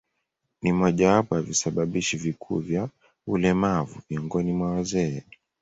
Ni mojawapo ya visababishi vikuu vya ulemavu miongoni mwa wazee.